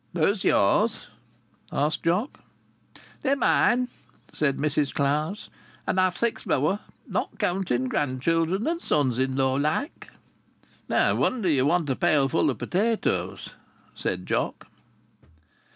"Those yours?" asked Jock. "They're mine," said Mrs Clowes. "And I've six more, not counting grandchildren and sons in law like." "No wonder you want a pailful of potatoes!" said Jock.